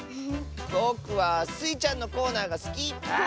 ぼくはスイちゃんのコーナーがすき！